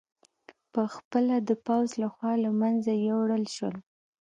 په خپله د پوځ له خوا له منځه یووړل شول